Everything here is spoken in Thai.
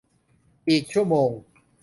อีกชั่วโมง